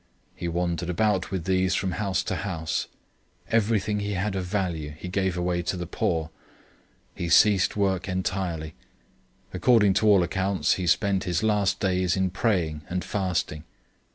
He wandered about with these from house to house. Everything he had of value he gave away to the poor. He ceased work entirely. According to all accounts he spent his last days in praying and fasting.